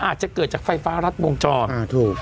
อาจจะเกิดจากไฟฟ้ารัดวงจรอ่าถูก